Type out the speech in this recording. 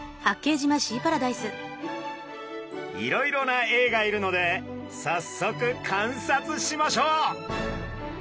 いろいろなエイがいるのでさっそく観察しましょう！